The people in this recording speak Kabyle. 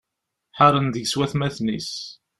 Ḥaren deg-s watmaten-is.